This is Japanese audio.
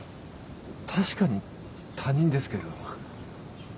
確かに他人ですけど。